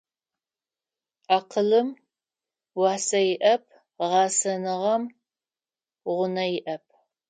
Акъылым уасэ иӏэп, гъэсэныгъэм гъунэ иӏэп.